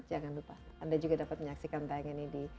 jangan lupa anda juga dapat menyaksikan tayangan ini di